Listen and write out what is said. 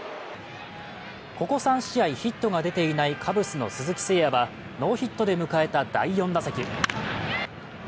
ここ３試合ヒットが出ていないカブスの鈴木誠也はノーヒットで迎えた第４打席。